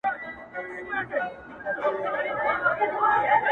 تاوېږه پر حرم ته زه جارېږم له جانانه,